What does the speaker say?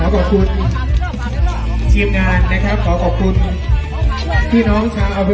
ขอบคุณเชียงงานนะครับขอบคุณพี่น้องชาว